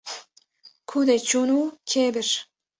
Ku de çûn û kê bir?